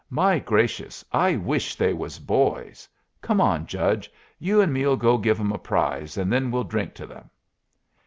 My gracious! I wish they was boys. Come on, judge! You and me'll go give 'em a prize, and then we'll drink to 'em."